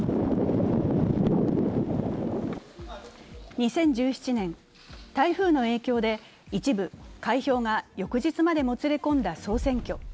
２０１７年、台風の影響で一部、開票が翌日までもつれ込んだ総選挙。